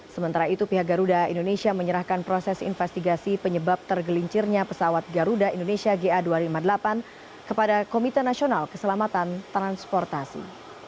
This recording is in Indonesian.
sementara itu pihak garuda indonesia menyerahkan proses investigasi penyebab tergelincirnya pesawat garuda indonesia ga dua ratus lima puluh delapan kepada komite nasional keselamatan transportasi